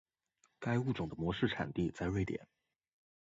该物种的模式产地在瑞典。